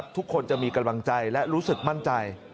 ทุกคนจะมีกำลังใจและรู้สึกมั่นใจ